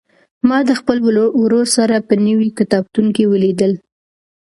ما د خپل ورور سره په نوي کتابتون کې ولیدل.